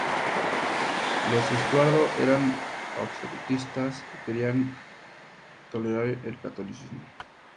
Los Estuardo eran absolutistas que querían tolerar el catolicismo.